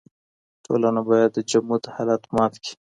ټولنه بايد د جمود حالت مات کړي.